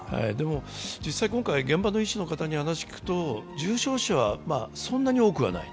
今回、現場の医師の方に話を聞くと重症者はそんなに多くはない。